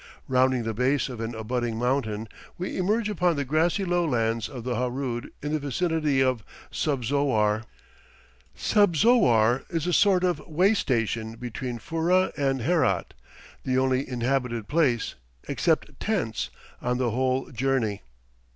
Rounding the base of an abutting mountain, we emerge upon the grassy lowlands of the Harood in the vicinity of Subzowar. Subzowar is a sort of way station between Furrah and Herat, the only inhabited place, except tents, on the whole journey.